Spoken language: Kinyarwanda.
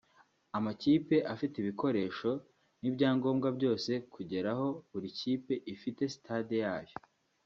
amakipe afite ibikoresho n’ibyangombwa byose kugera aho buri kipe ifite sitade yayo